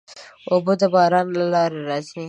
اوبه د باران له لارې راځي.